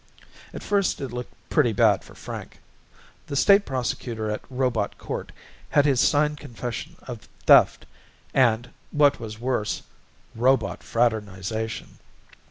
At first it looked pretty bad for Frank. The State Prosecutor at Robot Court had his signed confession of theft and what was worse robot fraternization.